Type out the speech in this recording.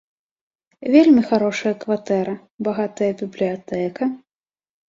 Вельмі харошая кватэра, багатая бібліятэка.